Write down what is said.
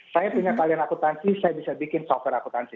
saya punya kalian akutansi saya bisa bikin software akutansi